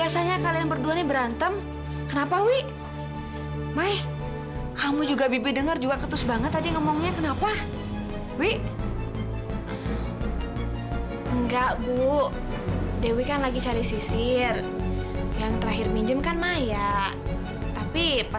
sampai jumpa di video selanjutnya